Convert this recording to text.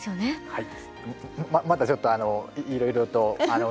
はい。